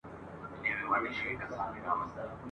مزمن او ناعلاجه رنځ یوازنی طبیب دی !.